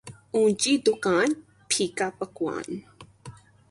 اونچی دکان پھیکا پکوان